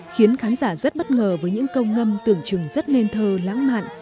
khiến khán giả rất bất ngờ với những câu ngâm tưởng chừng rất nên thơ lãng mạn